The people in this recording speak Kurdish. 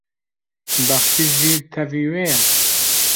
Bexşîş jî tevî wê ye?